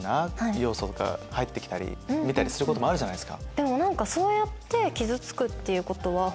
入って来たり見たりすることもあるじゃないですか。